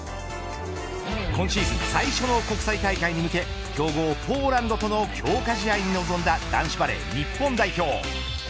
今シーズン最初の国際大会に向け強豪ポーランドとの強化試合に臨んだ男子バレー日本代表。